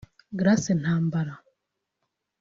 Grace Ntambara